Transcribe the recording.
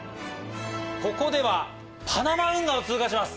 ここではパナマ運河を通過します。